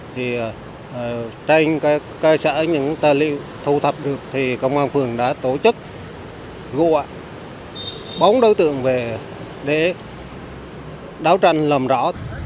thì trên cơ sở những tài liệu thu thập được thì công an phường đã tổ chức gô ảnh bóng đối tượng về để đáo tranh làm rõ